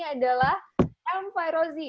dia adalah elm fairozi